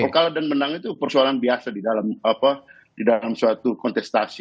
kalau kalah dan menang itu persoalan biasa di dalam suatu kontestasi